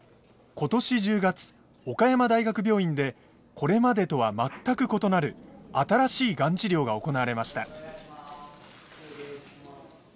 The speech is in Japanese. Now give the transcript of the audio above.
今年１０月岡山大学病院でこれまでとは全く異なる新しいがん治療が行われました。